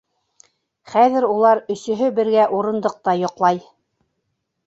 Хәҙер улар өсөһө бергә урындыҡта йоҡлай.